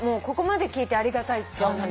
ここまで聞いてありがたいって。